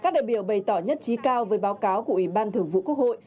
các đại biểu bày tỏ nhất trí cao với báo cáo của ủy ban thường vụ quốc hội